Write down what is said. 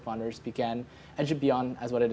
menerbitkan edup beyond sebagai apa yang ada hari ini